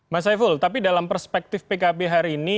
mas saiful tapi dalam perspektif pkb hari ini